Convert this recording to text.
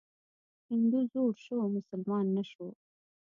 هندو زوړ شو، مسلمان نه شو.